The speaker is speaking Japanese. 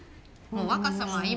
もう若さま